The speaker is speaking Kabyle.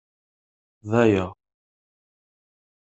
D aya.